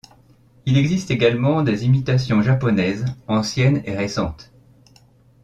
Il existe également des imitations japonaises, anciennes et récentes.